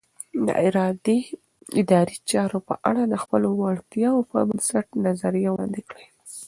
د ادارې چارو په اړه د خپلو وړتیاوو پر بنسټ نظریه وړاندې کړئ.